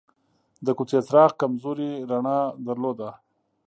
د کوڅې څراغ کمزورې رڼا درلوده.